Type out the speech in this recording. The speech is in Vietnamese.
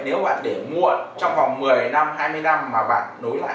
nếu bạn để mua trong vòng một mươi năm hai mươi năm mà bạn nối lại